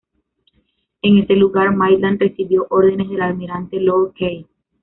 En ese lugar, Maitland recibió órdenes del Almirante Lord Keith.